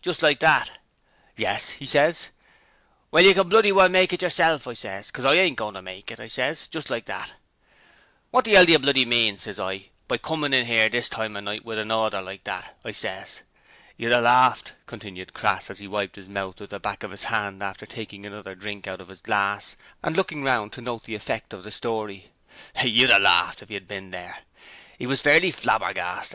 just like that. "Yes," 'e ses. "Well, you can bloody well make it yerself!" I ses, "'cos I ain't agoin' to," I ses just like that. "Wot the 'ell do yer mean," I ses, "by comin' 'ere at this time o' night with a order like that?" I ses. You'd a larfed,' continued Crass, as he wiped his mouth with the back of his hand after taking another drink out of his glass, and looking round to note the effect of the story, 'you'd a larfed if you'd bin there. 'E was fairly flabbergasted!